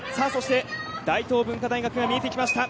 大東文化大学が見えてきました。